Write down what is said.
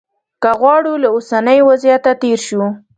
که وغواړو له اوسني وضعیته تېر شو.